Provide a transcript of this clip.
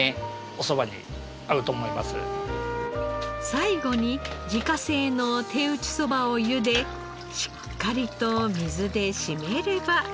最後に自家製の手打ちそばをゆでしっかりと水で締めれば。